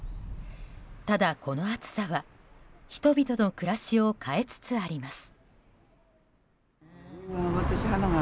ただ、この暑さは人々の暮らしを変えつつあります。